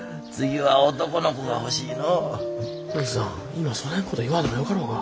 今そねんこと言わあでもよかろうが。